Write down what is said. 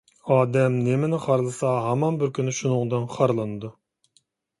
ئادەم نېمىنى خارلىسا ھامان بىر كۈنى شۇنىڭدىن خارلىنىدۇ.